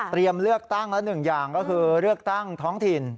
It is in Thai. เลือกตั้งแล้วหนึ่งอย่างก็คือเลือกตั้งท้องถิ่น